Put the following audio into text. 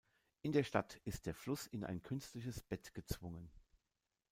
In der Stadt ist der Fluss in ein künstliches Bett gezwungen.